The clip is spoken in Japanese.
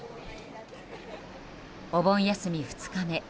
お盆休み２日目。